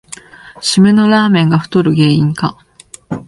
しめのラーメンが太る原因か